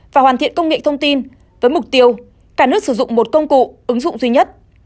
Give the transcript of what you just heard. và hoàn thiện công nghệ thông tin với mục tiêu cả nước sử dụng một công cụ ứng dụng duy nhất